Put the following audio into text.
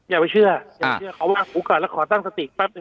อย่าไปเชื่อเขาว่าหูก่อนแล้วขอตั้งสติกปั๊บหนึ่ง